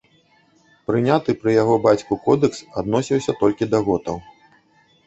Прыняты пры яго бацьку кодэкс адносіўся толькі да готаў.